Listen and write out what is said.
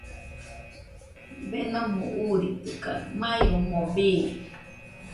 Denomo uuritɨkaɨ, mai omoɨ bii.